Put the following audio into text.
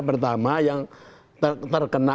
pertama yang terkena